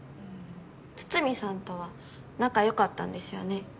筒見さんとは仲良かったんですよね。